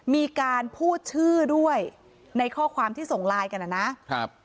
มีการพูดชื่อด้วยในข้อความที่ส่งไลน์กันนะครับ